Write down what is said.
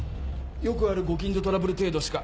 よくあるご近所トラブル程度しか。